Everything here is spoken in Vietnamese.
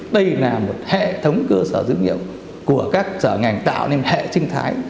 đây là một hệ thống cơ sở dữ liệu của các sở ngành tạo nên hệ sinh thái